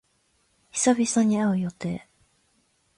久々に会う予定。